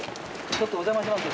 ちょっとお邪魔します。